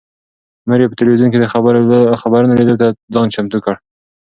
مور یې په تلویزون کې د خبرونو لیدلو ته ځان چمتو کړ.